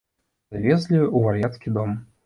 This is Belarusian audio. Завезлі ў вар'яцкі дом.